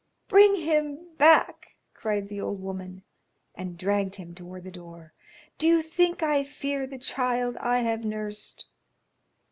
"Bring him back," cried the old woman, and dragged him toward the door. "Do you think I fear the child I have nursed?"